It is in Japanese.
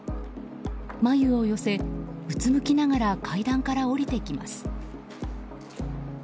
眉を寄せ、うつむきながら階段から下りてきます。